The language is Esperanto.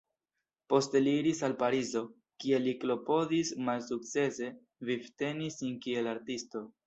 Poste li iris al Parizo, kie li klopodis malsukcese vivteni sin kiel artisto.